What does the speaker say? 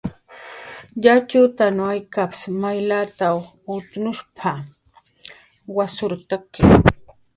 "yatxutan aykaps may lataw utnushp"" wasurtaki."